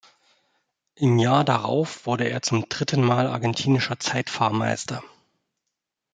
Im Jahr darauf wurde er zum dritten Mal argentinischer Zeitfahrmeister.